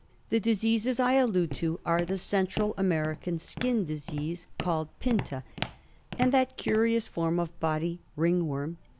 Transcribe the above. The diseases I allude to are the Central American skin disease called Pinta and that curious form of body ringworm.